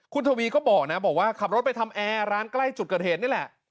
คุณทวีย์ก็บอกขับรถไปทำแอ้ร้านใกล้จุดเกิดเหตุนี่แหละ